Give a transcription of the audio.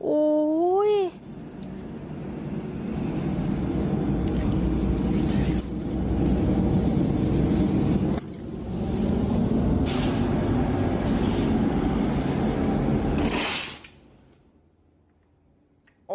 โอ้โห